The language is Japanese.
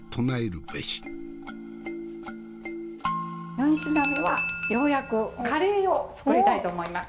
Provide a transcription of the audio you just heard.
４品目はようやくカレーを作りたいと思います。